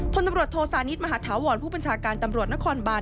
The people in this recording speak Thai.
พลตำรวจโทสานิทมหาธาวรผู้บัญชาการตำรวจนครบาน